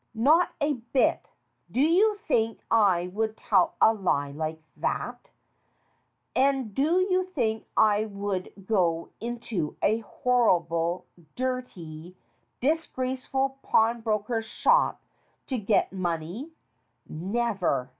"Not a bit. Do you think I would tell a lie like that? And do you think I would go into a horrible, dirty, disgraceful pawnbroker's shop to get money? Never.